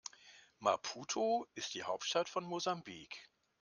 Maputo ist die Hauptstadt von Mosambik.